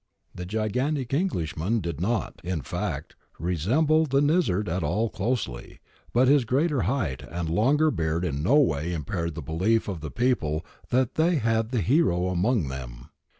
The gigantic Englishman did not, in fact, resemble the Nizzard at all closely, but his greater height and longer beard in no way impaired the belief of the people that they had the hero among them.